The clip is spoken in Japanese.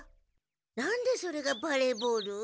なんでそれがバレーボール？